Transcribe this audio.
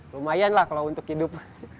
lumayan lah kalau untuk hidup